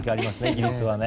イギリスは。